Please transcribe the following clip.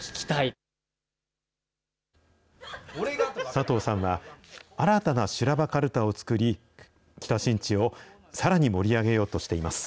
佐藤さんは、新たな修羅場かるたを作り、北新地をさらに盛り上げようとしています。